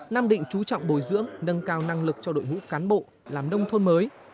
nam định trú trọng bồi dưỡng nâng cao năng lực cho đội ngũ cán bộ làm nông thôn mới